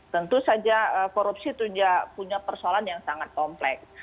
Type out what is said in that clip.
tentu saja korupsi punya persoalan yang sangat kompleks